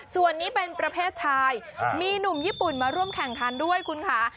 ส่วนนี้เป็นประเภทชายมีหนุ่มญี่ปุ่นมาร่วมแข่งขันด้วยคุณค่ะ